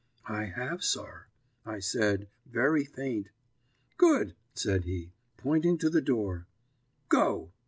"'I have, sir,' I said, very faint. "'Good,' said he, pointing to the door. 'Go.'